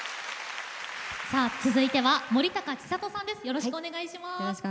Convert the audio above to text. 続いては森高千里さんです。